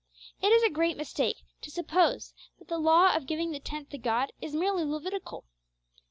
It is a great mistake to suppose that the law of giving the tenth to God is merely Levitical.